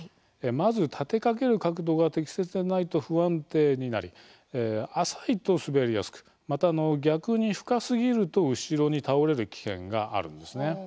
まず立てかける角度が適切でないと不安定になり浅いと滑りやすく、また逆に深すぎると後ろに倒れる危険があるんですね。